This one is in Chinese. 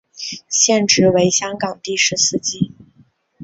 现职为香港的士司机。